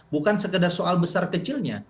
bukan sekedar soal besar kecilnya